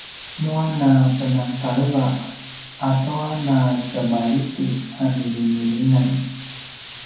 nua na penakaleva atua na temaljiti a milimilingan